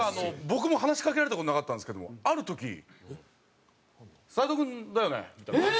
僕も話しかけられた事なかったんですけどもある時「斉藤君だよね？」みたいな感じで。